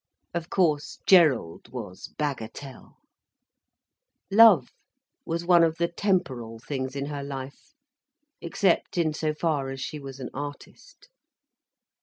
Of course Gerald was bagatelle. Love was one of the temporal things in her life, except in so far as she was an artist.